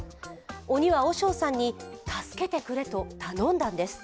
鬼は和尚さんに「助けてくれ」と頼んだのです。